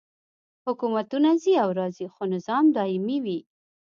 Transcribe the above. حکومتونه ځي او راځي خو نظام دایمي وي.